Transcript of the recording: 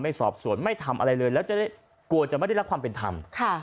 สอบสวนไม่ทำอะไรเลยแล้วจะได้กลัวจะไม่ได้รับความเป็นธรรม